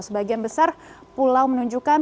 sebagian besar pulau menunjukkan